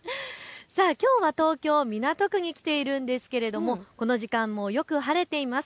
きょうは東京港区に来ているんですがこの時間もよく晴れています。